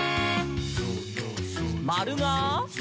「まるが？」